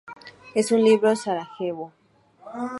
En su libro 'Sarajevo.